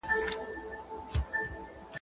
جهاني پر هغه دښته مي سفر سو `